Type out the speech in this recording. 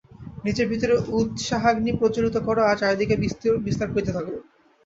নিজের ভিতর উৎসাহাগ্নি প্রজ্বলিত কর, আর চারিদিকে বিস্তার করিতে থাক।